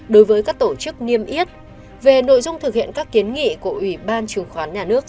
đối với các tổ chức niêm yết về nội dung thực hiện các kiến nghị của ủy ban chứng khoán nhà nước